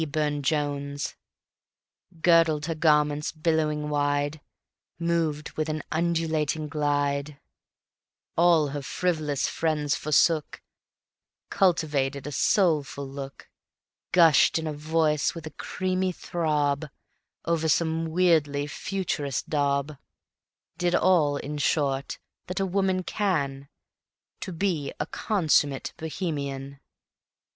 Burne Jones; Girdled her garments billowing wide, Moved with an undulating glide; All her frivolous friends forsook, Cultivated a soulful look; Gushed in a voice with a creamy throb Over some weirdly Futurist daub Did all, in short, that a woman can To be a consummate Bohemian.